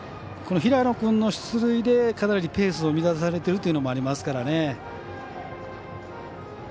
この平野君の出塁でかなり乱されているというのもありますからね。